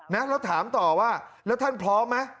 และถามต่อว่าแล้วท่านพร้อมมั้ย